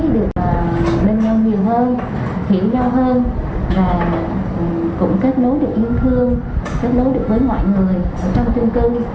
được bên nhau nhiều hơn hiểu nhau hơn và cũng kết nối được yêu thương kết nối được với mọi người trong chung cưng